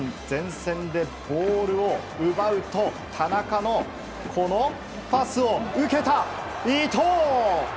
前線でボールを奪うと田中のパスを受けた、伊東！